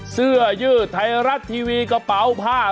เสื้อยืดไทยรัฐทีวีกระเป๋าผ้า